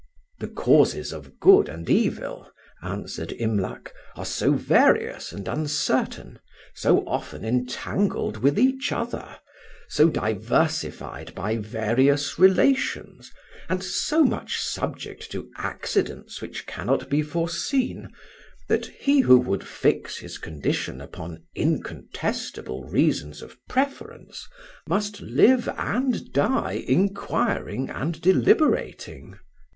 "The causes of good and evil," answered Imlac, "are so various and uncertain, so often entangled with each other, so diversified by various relations, and so much subject to accidents which cannot be foreseen, that he who would fix his condition upon incontestable reasons of preference must live and die inquiring and deliberating."